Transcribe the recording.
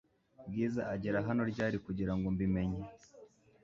Bwiza agera hano ryari kugirango mbi menye